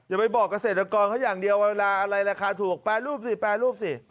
อย่าไปบอกเกษตรกรเขาอย่างเดียวเวลาอะไรราคาถูกแปรรูปสิแปรรูปสิ